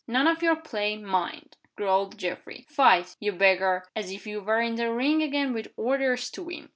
"None of your play, mind!" growled Geoffrey. "Fight, you beggar, as if you were in the Ring again with orders to win."